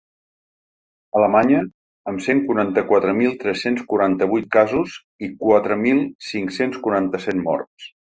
Alemanya, amb cent quaranta-quatre mil tres-cents quaranta-vuit casos i quatre mil cinc-cents quaranta-set morts.